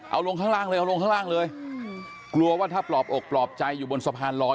เอาลงข้างล่างเลยเอาลงข้างล่างเลยกลัวว่าถ้าปลอบอกปลอบใจอยู่บนสะพานลอย